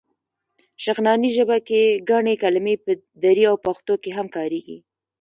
شغناني ژبه کې ګڼې کلمې په دري او پښتو کې هم کارېږي.